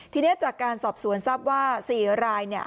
ทีนี้จากการสอบสวนทรัพย์ว่า๔รายเนี่ย